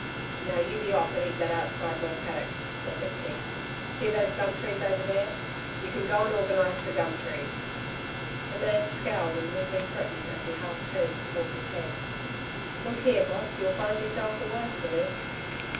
'Now you be off, and eat that outside my paddock,' said McKeith. 'See those gum trees over there? You can go and organise the gum trees.' The man scowled, and weakly threatened as he half turned his horse's head. 'Look here, Boss, you'll find yourself the worse for this.'